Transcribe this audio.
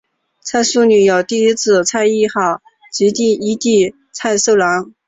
蔡素女有一姊蔡亦好及一弟蔡寿郎。